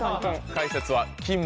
解説は。